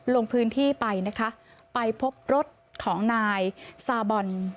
ลงพื้นที่ไปนะคะไปพบรถของนายซาบอน